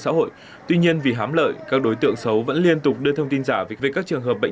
xã hội tuy nhiên vì hám lợi các đối tượng xấu vẫn liên tục đưa thông tin giả về các trường hợp bệnh